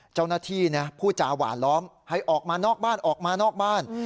เจ้าหน้าที่ผู้จาหวานล้อมให้ออกมานอกบ้านออกมานอกบ้าน